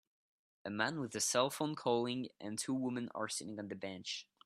A man with a cellphone calling and two women are sitting on the beach